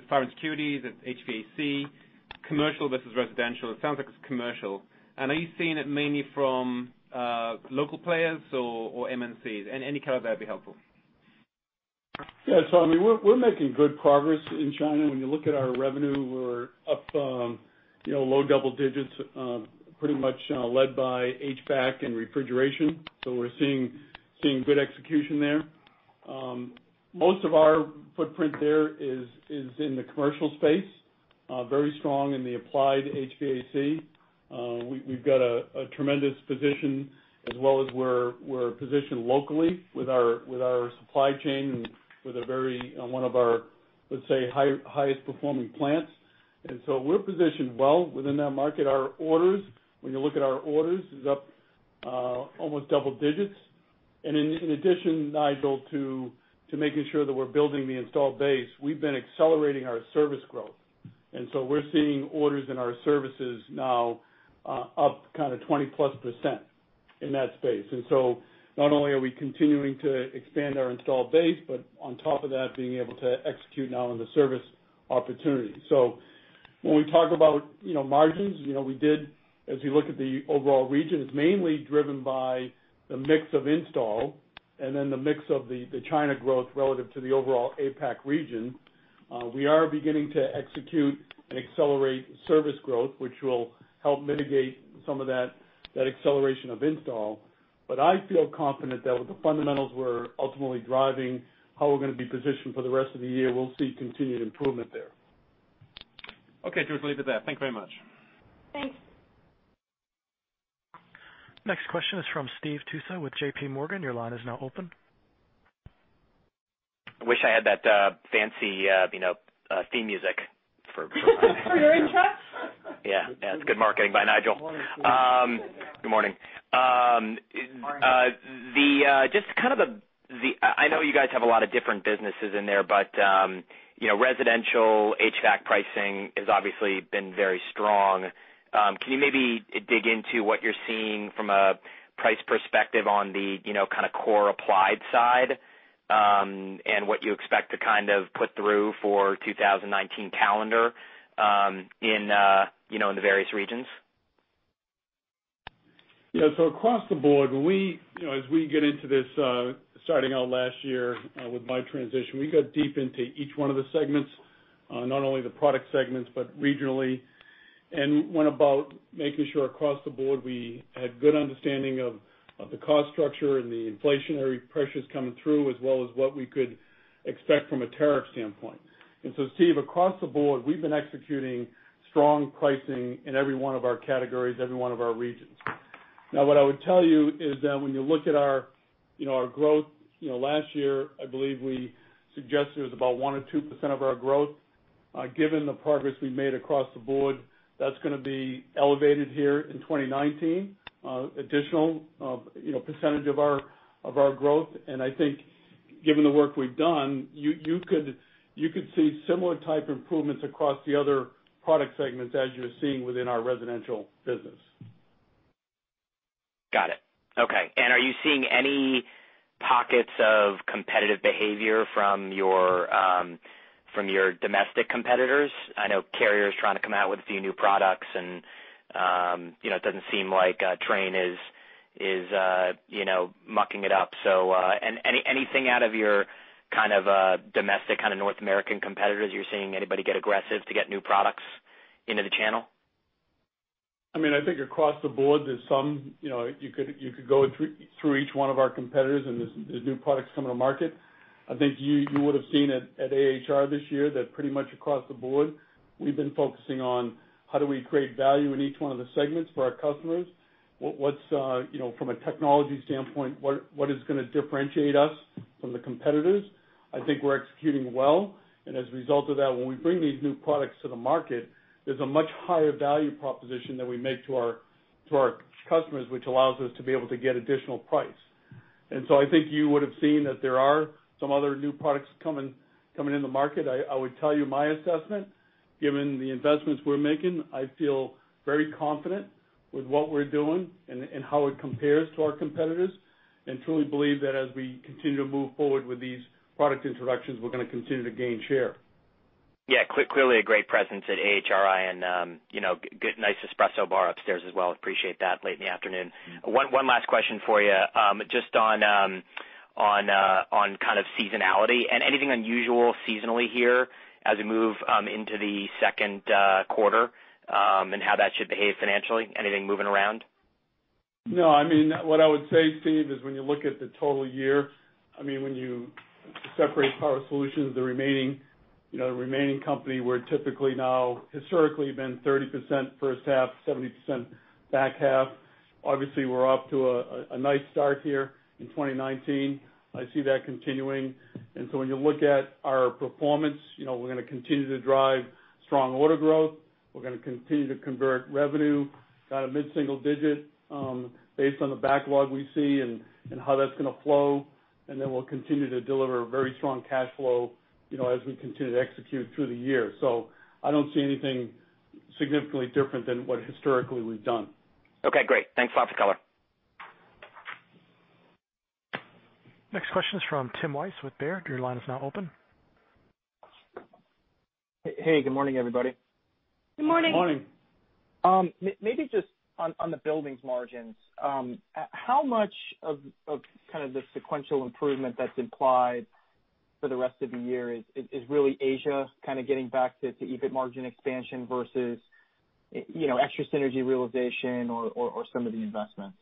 fire and security? Is it HVAC? Commercial versus residential? It sounds like it's commercial. Are you seeing it mainly from local players or MNCs? Any color there would be helpful. Yeah. We're making good progress in China. When you look at our revenue, we're up low double digits, pretty much led by HVAC and refrigeration. We're seeing good execution there. Most of our footprint there is in the commercial space, very strong in the Applied HVAC. We've got a tremendous position, as well as we're positioned locally with our supply chain and with one of our, let's say, highest performing plants. We're positioned well within that market. Our orders, when you look at our orders, is up almost double digits. In addition, Nigel, to making sure that we're building the installed base, we've been accelerating our service growth. We're seeing orders in our services now up 20-plus % in that space. Not only are we continuing to expand our installed base, but on top of that, being able to execute now on the service opportunity. When we talk about margins, as we look at the overall region, it's mainly driven by the mix of install and then the mix of the China growth relative to the overall APAC region. We are beginning to execute and accelerate service growth, which will help mitigate some of that acceleration of install. I feel confident that with the fundamentals we're ultimately driving how we're going to be positioned for the rest of the year, we'll see continued improvement there. Okay, George. Leave it there. Thank you very much. Thanks. Next question is from Steve Tusa with JPMorgan. Your line is now open. I wish I had that fancy theme music for. For your intro? Yeah. It's good marketing by Nigel. Morning, Steve. Good morning. I know you guys have a lot of different businesses in there, but residential HVAC pricing has obviously been very strong. Can you maybe dig into what you're seeing from a price perspective on the core Applied side? What you expect to put through for 2019 calendar in the various regions? Yeah. Across the board, as we get into this, starting out last year with my transition, we got deep into each one of the segments, not only the product segments, but regionally, and went about making sure across the board we had good understanding of the cost structure and the inflationary pressures coming through, as well as what we could expect from a tariff standpoint. Steve, across the board, we've been executing strong pricing in every one of our categories, every one of our regions. Now, what I would tell you is that when you look at our growth, last year, I believe we suggested it was about 1% or 2% of our growth. Given the progress we've made across the board, that's going to be elevated here in 2019, additional percentage of our growth. I think given the work we've done, you could see similar type improvements across the other product segments as you're seeing within our residential business. Got it. Okay. Are you seeing any pockets of competitive behavior from your domestic competitors? I know Carrier is trying to come out with a few new products, and it doesn't seem like Trane is mucking it up. Anything out of your kind of domestic, kind of North American competitors you're seeing anybody get aggressive to get new products into the channel? I think across the board, there's some. You could go through each one of our competitors, there's new products coming to market. I think you would've seen at AHR this year that pretty much across the board, we've been focusing on how do we create value in each one of the segments for our customers. From a technology standpoint, what is going to differentiate us from the competitors? I think we're executing well, and as a result of that, when we bring these new products to the market, there's a much higher value proposition that we make to our customers, which allows us to be able to get additional price. I think you would've seen that there are some other new products coming in the market. I would tell you my assessment, given the investments we're making, I feel very confident with what we're doing and how it compares to our competitors, and truly believe that as we continue to move forward with these product introductions, we're going to continue to gain share. Yeah. Clearly a great presence at AHR. Nice espresso bar upstairs as well. Appreciate that late in the afternoon. One last question for you. Just on kind of seasonality and anything unusual seasonally here as we move into the second quarter, and how that should behave financially. Anything moving around? No. What I would say, Steve, is when you look at the total year, when you separate Power Solutions, the remaining company, we're typically now historically been 30% first half, 70% back half. Obviously, we're off to a nice start here in 2019. I see that continuing. When you look at our performance, we're going to continue to drive strong order growth. We're going to continue to convert revenue kind of mid-single digit, based on the backlog we see and how that's going to flow. We'll continue to deliver very strong cash flow, as we continue to execute through the year. I don't see anything significantly different than what historically we've done. Okay, great. Thanks a lot for the color. Next question is from Tim Weiss with Baird. Your line is now open. Hey, good morning, everybody. Good morning. Good morning. Maybe just on the buildings margins. How much of kind of the sequential improvement that's implied for the rest of the year is really Asia kind of getting back to EBIT margin expansion versus extra synergy realization or some of the investments?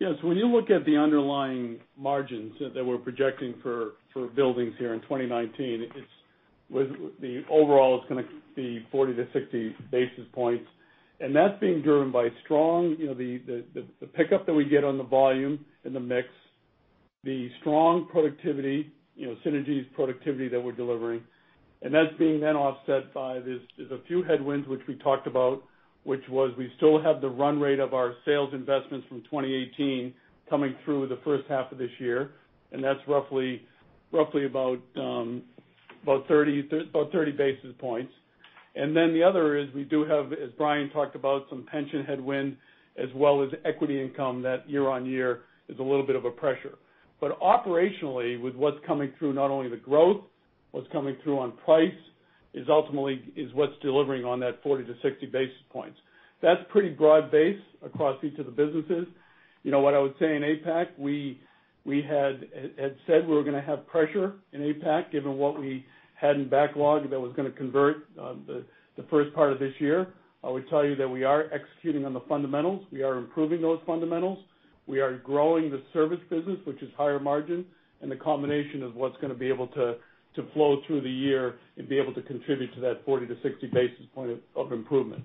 Yes. When you look at the underlying margins that we're projecting for buildings here in 2019, the overall is going to be 40-60 basis points. That's being driven by strong, the pickup that we get on the volume and the mix, the strong productivity, synergies productivity that we're delivering. That's being then offset by there's a few headwinds, which we talked about, which was we still have the run rate of our sales investments from 2018 coming through the first half of this year, and that's roughly about 30 basis points. The other is we do have, as Brian talked about, some pension headwind as well as equity income, that year-on-year is a little bit of a pressure. Operationally, with what's coming through, not only the growth, what's coming through on price, is ultimately what's delivering on that 40-60 basis points. That's pretty broad-based across each of the businesses. What I would say in APAC, we had said we were going to have pressure in APAC given what we had in backlog that was going to convert the first part of this year. I would tell you that we are executing on the fundamentals. We are improving those fundamentals. We are growing the service business, which is higher margin, and the combination of what's going to be able to flow through the year and be able to contribute to that 40-60 basis point of improvement.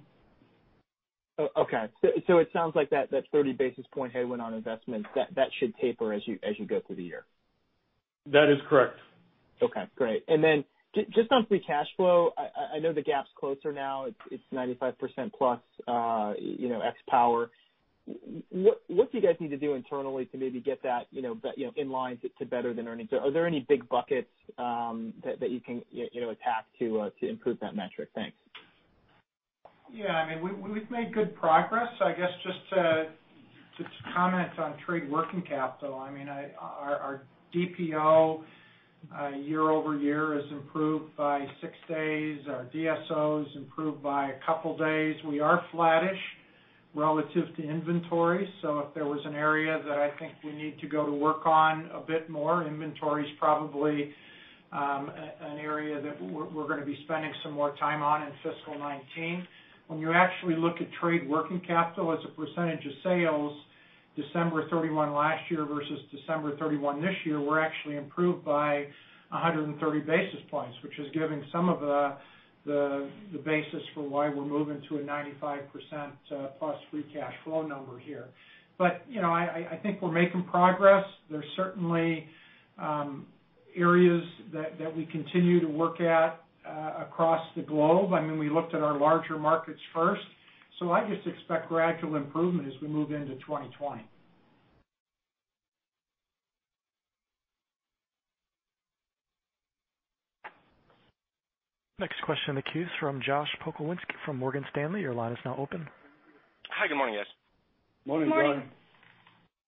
Okay. It sounds like that 30 basis point headwind on investments, that should taper as you go through the year. That is correct. Okay, great. Just on free cash flow, I know the gap's closer now. It's 95% plus ex Power Solutions. What do you guys need to do internally to maybe get that in line to better than earnings? Are there any big buckets that you can attack to improve that metric? Thanks. Yeah. We've made good progress. I guess just to comment on trade working capital. Our DPO year-over-year has improved by six days. Our DSO has improved by a couple days. We are flattish relative to inventory. If there was an area that I think we need to go to work on a bit more, inventory is probably an area that we're going to be spending some more time on in fiscal 2019. When you actually look at trade working capital as a percentage of sales, December 31 last year versus December 31 this year, we're actually improved by 130 basis points, which is giving some of the basis for why we're moving to a 95% plus free cash flow number here. I think we're making progress. There's certainly. areas that we continue to work at across the globe. We looked at our larger markets first. I just expect gradual improvement as we move into 2020. Next question in the queue is from Josh Pokrzywinski from Morgan Stanley. Your line is now open. Hi, good morning, guys. Morning, Josh. Morning.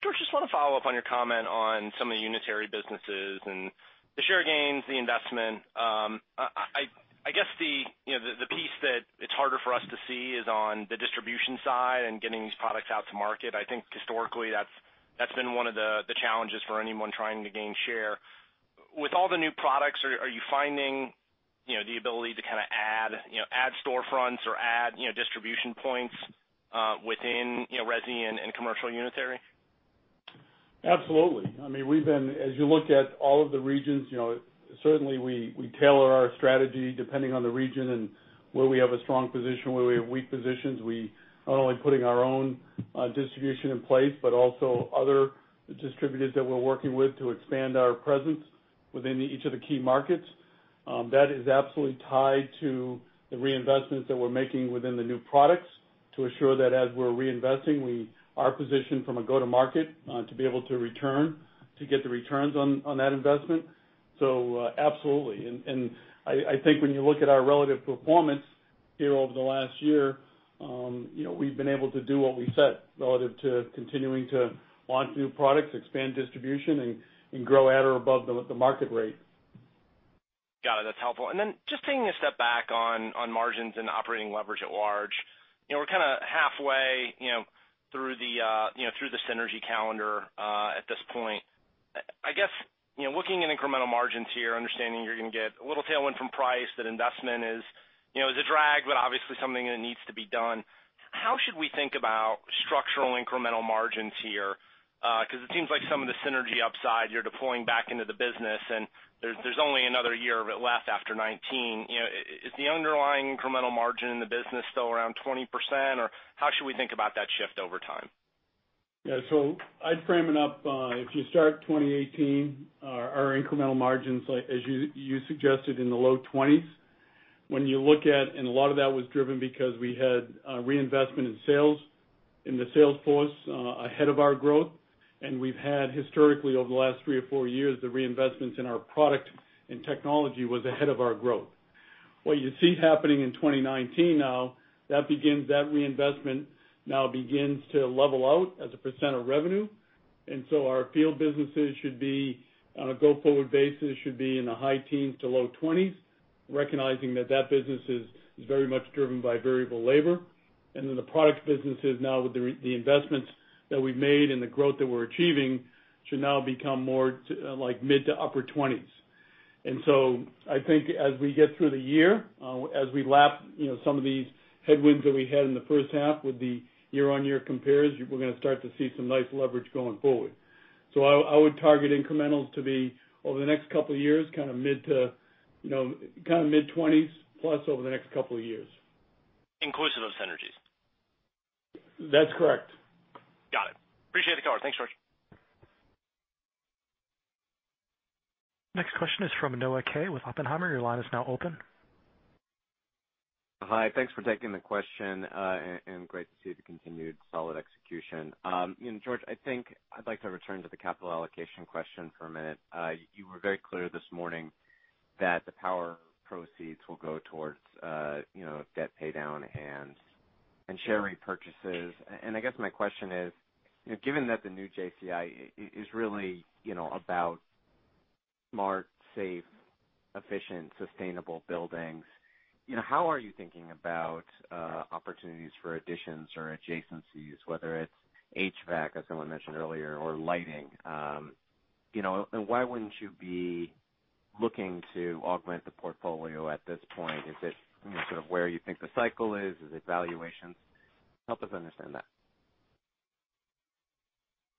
George, just want to follow up on your comment on some of the unitary businesses and the share gains, the investment. I guess the piece that it's harder for us to see is on the distribution side and getting these products out to market. I think historically, that's been one of the challenges for anyone trying to gain share. With all the new products, are you finding the ability to add storefronts or add distribution points within resi and commercial unitary? Absolutely. As you look at all of the regions, certainly we tailor our strategy depending on the region and where we have a strong position, where we have weak positions. We not only putting our own distribution in place, but also other distributors that we're working with to expand our presence within each of the key markets. That is absolutely tied to the reinvestments that we're making within the new products to assure that as we're reinvesting, our position from a go-to-market to be able to get the returns on that investment. Absolutely. I think when you look at our relative performance here over the last year, we've been able to do what we said relative to continuing to launch new products, expand distribution, and grow at or above the market rate. Got it. That's helpful. Then just taking a step back on margins and operating leverage at large. We're kind of halfway through the synergy calendar at this point. I guess, looking at incremental margins here, understanding you're going to get a little tailwind from price, that investment is a drag, but obviously something that needs to be done. How should we think about structural incremental margins here? It seems like some of the synergy upside you're deploying back into the business, and there's only another year of it left after 2019. Is the underlying incremental margin in the business still around 20%? Or how should we think about that shift over time? Yeah. I'd frame it up, if you start 2018, our incremental margins, as you suggested, in the low 20s. A lot of that was driven because we had reinvestment in sales in the sales force ahead of our growth, and we've had historically, over the last three or four years, the reinvestments in our product and technology was ahead of our growth. What you see happening in 2019 now, that reinvestment now begins to level out as a percent of revenue. Our field businesses should be, on a go-forward basis, should be in the high teens to low 20s, recognizing that that business is very much driven by variable labor. The product businesses now with the investments that we've made and the growth that we're achieving, should now become more like mid to upper 20s. I think as we get through the year, as we lap some of these headwinds that we had in the first half with the year-on-year compares, we're going to start to see some nice leverage going forward. I would target incrementals to be over the next couple of years, mid 20s plus over the next couple of years. Inclusive of synergies? That's correct. Got it. Appreciate the color. Thanks, George. Next question is from Noah Kaye with Oppenheimer. Your line is now open. Hi. Thanks for taking the question, great to see the continued solid execution. George, I think I'd like to return to the capital allocation question for a minute. You were very clear this morning that the power proceeds will go towards debt paydown and share repurchases. I guess my question is, given that the new JCI is really about smart, safe, efficient, sustainable buildings, how are you thinking about opportunities for additions or adjacencies, whether it's HVAC, as someone mentioned earlier, or lighting? Why wouldn't you be looking to augment the portfolio at this point? Is it sort of where you think the cycle is? Is it valuations? Help us understand that.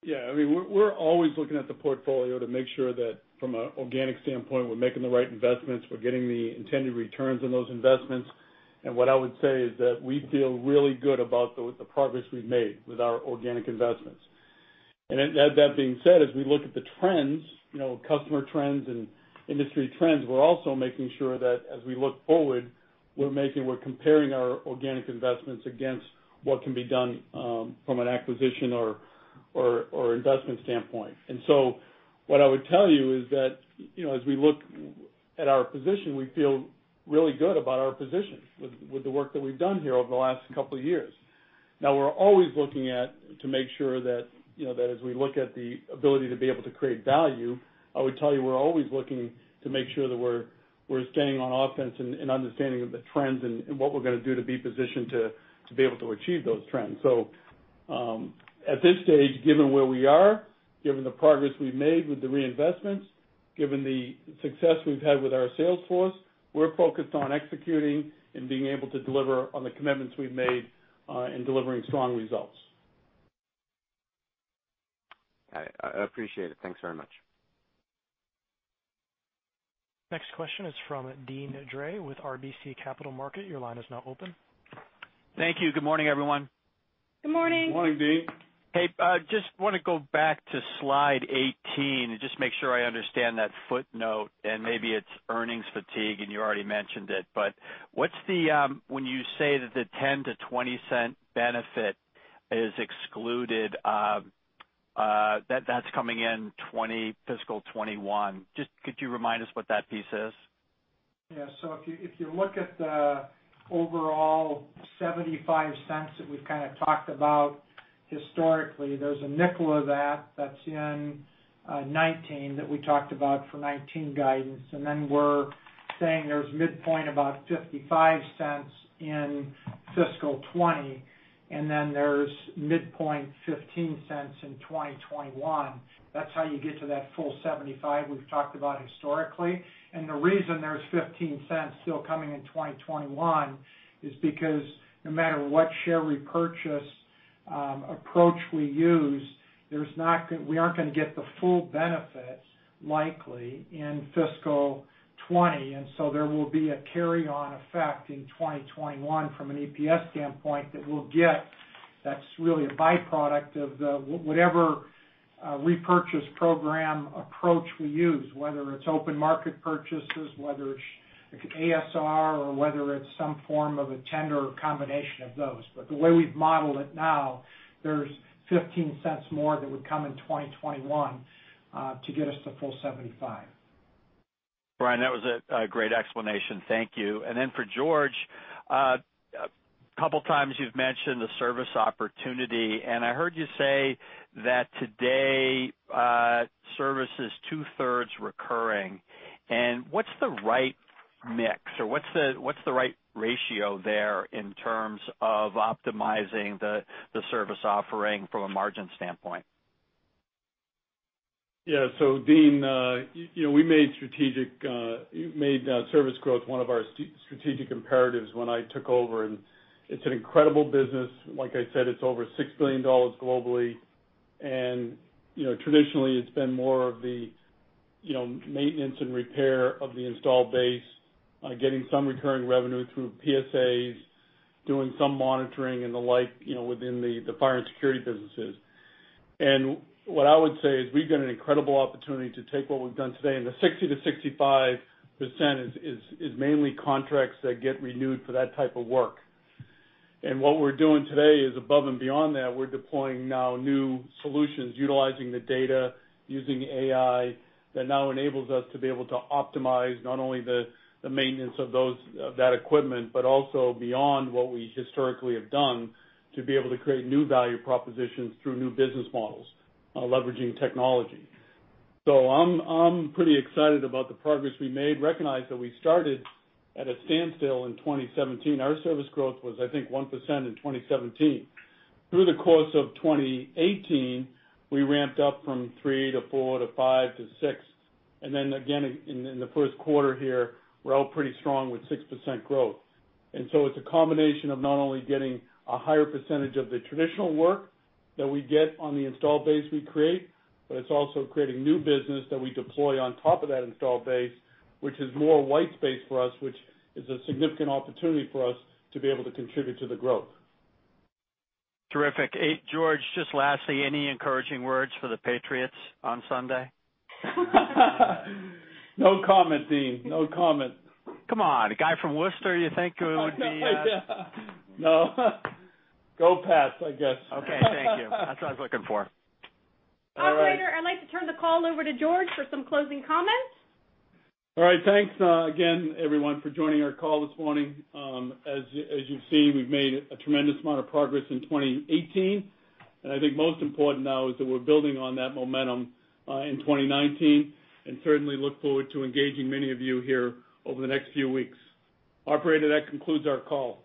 Yeah. We're always looking at the portfolio to make sure that from an organic standpoint, we're making the right investments, we're getting the intended returns on those investments. What I would say is that we feel really good about the progress we've made with our organic investments. That being said, as we look at the trends, customer trends and industry trends, we're also making sure that as we look forward, we're comparing our organic investments against what can be done from an acquisition or investment standpoint. What I would tell you is that as we look at our position, we feel really good about our position with the work that we've done here over the last couple of years. Now we're always looking at, to make sure that as we look at the ability to be able to create value, I would tell you we're always looking to make sure that we're staying on offense and understanding of the trends and what we're going to do to be positioned to be able to achieve those trends. At this stage, given where we are, given the progress we've made with the reinvestments, given the success we've had with our sales force, we're focused on executing and being able to deliver on the commitments we've made, and delivering strong results. Got it. I appreciate it. Thanks very much. Next question is from Deane Dray with RBC Capital Markets. Your line is now open. Thank you. Good morning, everyone. Good morning. Good morning, Deane. Hey, just want to go back to slide 18 and just make sure I understand that footnote, and maybe it's earnings fatigue, and you already mentioned it. When you say that the $0.10-$0.20 benefit is excluded, that's coming in fiscal 2021. Could you remind us what that piece is? Yeah. If you look at the overall $0.75 that we've kind of talked about historically, there's a $0.05 of that that's in 2019, that we talked about for 2019 guidance. We're saying there's midpoint about $0.55 in fiscal 2020, there's midpoint $0.15 in 2021. That's how you get to that full $0.75 we've talked about historically. The reason there's $0.15 still coming in 2021 is because no matter what share repurchase approach we use, we aren't going to get the full benefit likely in fiscal 2020. There will be a carry-on effect in 2021 from an EPS standpoint that we'll get that's really a byproduct of the whatever repurchase program approach we use, whether it's open market purchases, whether it's ASR or whether it's some form of a tender or combination of those. The way we've modeled it now, there's $0.15 more that would come in 2021, to get us to full $0.75. Brian, that was a great explanation. Thank you. Then for George, a couple times you've mentioned the service opportunity, I heard you say that today, service is two-thirds recurring. What's the right mix, or what's the right ratio there in terms of optimizing the service offering from a margin standpoint? Yeah. Deane, we made service growth one of our strategic imperatives when I took over, it's an incredible business. Like I said, it's over $6 billion globally. Traditionally, it's been more of the maintenance and repair of the installed base, getting some recurring revenue through PSAs, doing some monitoring and the like within the fire and security businesses. What I would say is we've got an incredible opportunity to take what we've done today, the 60%-65% is mainly contracts that get renewed for that type of work. What we're doing today is above and beyond that. We're deploying now new solutions, utilizing the data, using AI, that now enables us to be able to optimize not only the maintenance of that equipment, but also beyond what we historically have done to be able to create new value propositions through new business models, leveraging technology. I'm pretty excited about the progress we made. Recognize that we started at a standstill in 2017. Our service growth was, I think, 1% in 2017. Through the course of 2018, we ramped up from 3% to 4%, to 5% to 6%. Then again, in the first quarter here, we're out pretty strong with 6% growth. It's a combination of not only getting a higher percentage of the traditional work that we get on the install base we create, but it's also creating new business that we deploy on top of that install base, which is more white space for us, which is a significant opportunity for us to be able to contribute to the growth. Terrific. George, just lastly, any encouraging words for the Patriots on Sunday? No comment, Deane. No comment. Come on. A guy from Worcester, you think it would be. No. Go Pats, I guess. Okay, thank you. That's what I was looking for. Operator, I'd like to turn the call over to George for some closing comments. All right. Thanks, again, everyone, for joining our call this morning. As you've seen, we've made a tremendous amount of progress in 2018, and I think most important now is that we're building on that momentum, in 2019, and certainly look forward to engaging many of you here over the next few weeks. Operator, that concludes our call.